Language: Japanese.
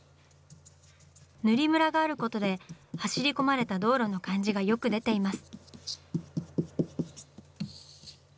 塗りムラがあることで走り込まれた道路の感じがよく出ています。